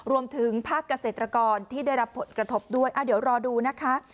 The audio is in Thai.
รวมถึงภาคเกษตรกรที่ได้รับผลกระทบด้วยเดี๋ยวรอดูนะคะ